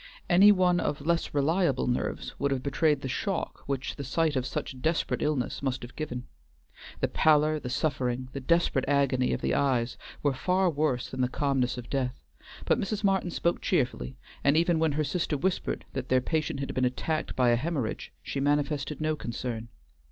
Any one of less reliable nerves would have betrayed the shock which the sight of such desperate illness must have given. The pallor, the suffering, the desperate agony of the eyes, were far worse than the calmness of death, but Mrs. Martin spoke cheerfully, and even when her sister whispered that their patient had been attacked by a hæmorrhage, she manifested no concern.